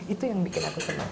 itu yang bikin aku senang